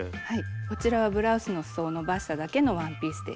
こちらはブラウスのすそをのばしただけのワンピースです。